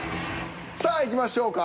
さあいきましょうか。